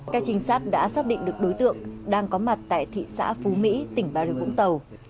các trinh sát đã xác định được đối tượng đang có mặt tại thị xã phú mỹ tỉnh bà rịa vũng tàu